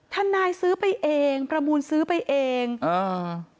ทนายซื้อไปเองประมูลซื้อไปเองอ่า